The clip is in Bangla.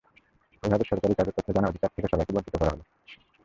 এভাবে সরকারি কাজের তথ্য জানার অধিকার থেকে সবাইকে বঞ্চিত করা হলো।